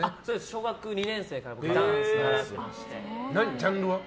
小学２年生からダンス習ってまして。